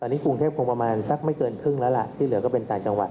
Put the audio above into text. อันนี้กรุงเทพคงประมาณสักไม่เกินครึ่งแล้วล่ะที่เหลือก็เป็นต่างจังหวัด